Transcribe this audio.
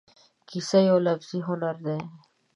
کیسه یو لفظي هنر دی.